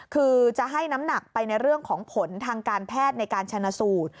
คือจะให้น้ำหนักไปในเรื่องของผลทางการแพทย์ในการชนะสูตร